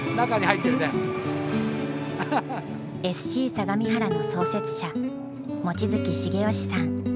相模原の創設者望月重良さん。